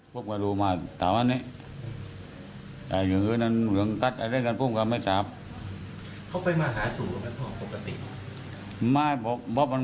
เพราะตอนนี้เขาติดต่อไม่ได้เลยใช่ไหมครับ